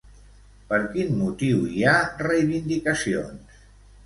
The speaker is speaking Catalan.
Per quin motiu hi ha reivindicacions?